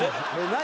何？